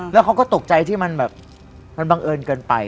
แล้วเขาก็ตกใจที่มันแบบมันบังเอิญเกินไป